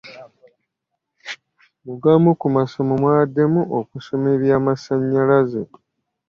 Mu gamu ku masomo mwabaddemu okusoma ebyamasannyalaze.